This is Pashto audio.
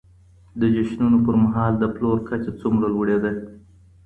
د جشنونو پر مهال د پلور کچه څومره لوړېده؟